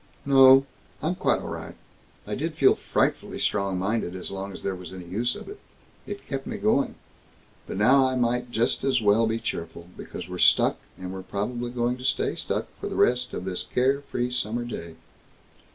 "No. I'm quite all right. I did feel frightfully strong minded as long as there was any use of it. It kept me going. But now I might just as well be cheerful, because we're stuck, and we're probably going to stay stuck for the rest of this care free summer day."